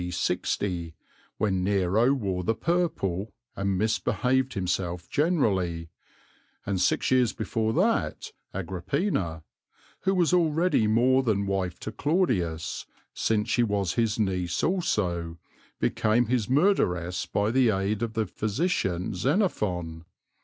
D. 60, when Nero wore the purple and misbehaved himself generally; and six years before that Agrippina, who was already more than wife to Claudius, since she was his niece also, became his murderess by the aid of the physician Xenophon.